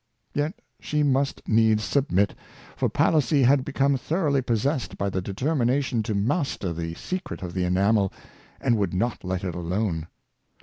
Yet she must needs submit, for Palissy had become thoroughly possessed by the determination to master the secret of the enamel, and would not let it alone.